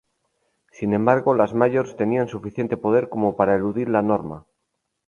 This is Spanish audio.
Sin embargo, las "majors" tenían suficiente poder como para eludir la norma.